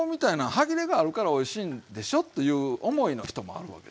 歯切れがあるからおいしいんでしょという思いの人もあるわけですね。